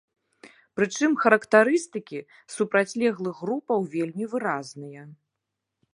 Прычым характарыстыкі супрацьлеглых групаў вельмі выразныя.